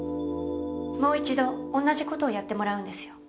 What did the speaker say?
もう一度同じ事をやってもらうんですよ。